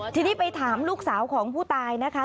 ทีนี้ไปถามลูกสาวของผู้ตายนะคะ